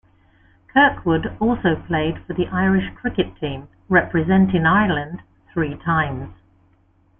Kirkwood also played for the Irish cricket team, representing Ireland three times.